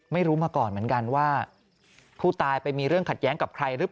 ไม่รู้มาก่อนเหมือนกันว่าผู้ตายไปมีเรื่องขัดแย้งกับใครหรือเปล่า